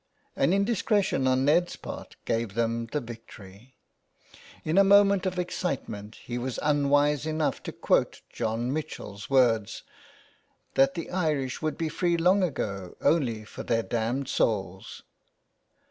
An indiscretion on Ned's part gave them the victory. In a moment of excitement he was unwise enough to quote John Mitchel's words " that the Irish would be free long ago only for their damned souls."